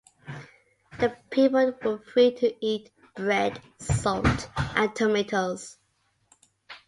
The people were free to eat bread, salt, and tomatoes.